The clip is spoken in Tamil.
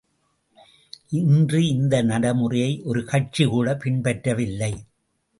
இன்று இந்த நடைமுறையை ஒரு கட்சி கூடப் பின்பற்றவில்லை!